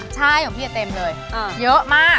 ใช่ของพี่จะเต็มเลยเยอะมาก